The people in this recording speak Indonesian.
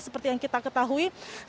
seperti yang kita ketahui